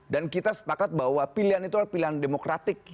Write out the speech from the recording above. dan kita sepakat bahwa pilihan itu adalah pilihan demokratik